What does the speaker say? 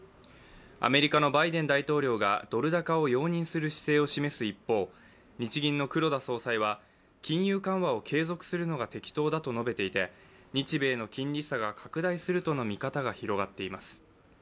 アメリカのバイデン大統領がドル高を容認する姿勢を示す一方、日銀の黒田総裁は金融緩和を継続するのが適当だと述べていて日米の金利差が拡大するとの見方が広がっています。